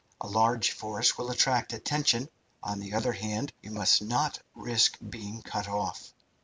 A large force will attract attention. On the other hand, you must not risk being cut off."